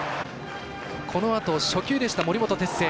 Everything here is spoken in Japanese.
このあと、初球でした、森本哲星。